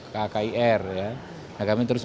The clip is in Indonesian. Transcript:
kkir ya kami terus